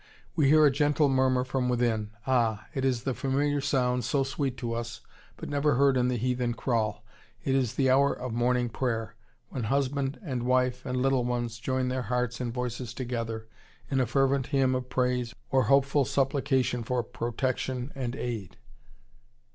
We hear a gentle murmur from within. Ah! it is the familiar sound, so sweet to us, but never heard in the heathen kraal. It is the hour of morning prayer, when husband and wife and little ones join their hearts and voices together in a fervent hymn of praise or hopeful supplication for protection and aid."